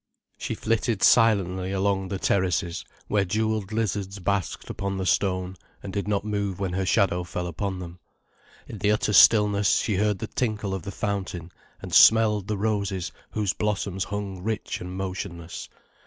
She flitted silently along the terraces, where jewelled lizards basked upon the stone, and did not move when her shadow fell upon them. In the utter stillness she heard the tinkle of the fountain, and smelled the roses whose blossoms hung rich and motionless.